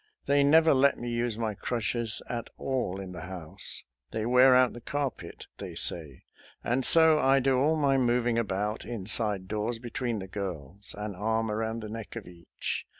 They never let me use my crutches at all in the house, — they wear out the carpet, they say, — and so I do all my moving about, inside doors, between the girls, an arm around the neck of each.